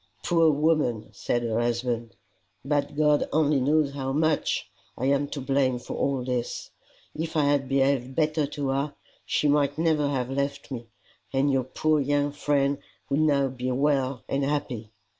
"Poor woman!" said her husband. " But God only knows how much I am to blame for all this. If I had behaved better to her she might never have left me, and your poor young friend would now be well and happy."